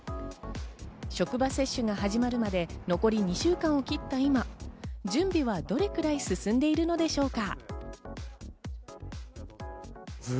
職場接種が始まるまで残り２週間を切った今、準備はどれくらい進んでいるのでしょうか。